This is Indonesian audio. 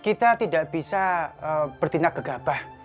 kita tidak bisa bertindak gegabah